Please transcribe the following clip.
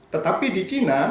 tetapi di cina